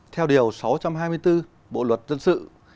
theo điều sáu trăm hai mươi bốn bộ luật dân sự